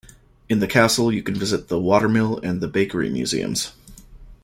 In the castle, you can visit the Watermill and the Bakery museums.